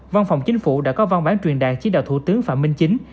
văn phòng chính phủ đã có văn bản truyền đạt chỉ đạo thủ tướng phạm minh chính